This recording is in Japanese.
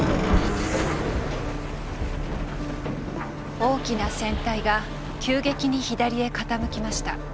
大きな船体が急激に左へ傾きました。